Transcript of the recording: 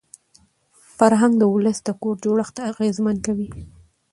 فرهنګ د ولس د کور جوړښت اغېزمن کوي.